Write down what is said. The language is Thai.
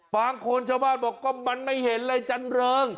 บางคนชาวบ้านบอกก็มันไม่เห็นเลยจันเริง